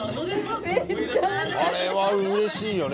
あれはうれしいよね